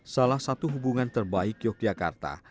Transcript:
salah satu hubungan terbaik yogyakarta